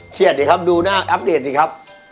สิครับดูหน้าอัปเดตสิครับ